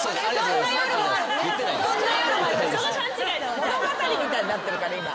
物語みたいになってるから今。